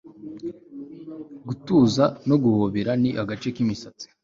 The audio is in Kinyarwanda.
gutuza no guhobera ni agace k'imisatsi